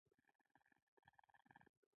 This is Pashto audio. په مصر کې د هغه او مخالفانو تر منځ جنجال و.